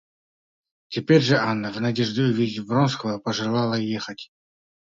Теперь же Анна, в надежде увидать Вронского, пожелала ехать.